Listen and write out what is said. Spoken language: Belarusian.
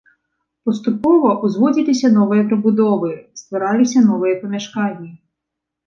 Паступова ўзводзіліся новыя прыбудовы, ствараліся новыя памяшканні.